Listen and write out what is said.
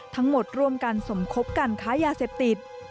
ร่วมกันสมคบกันค้ายาเสพติด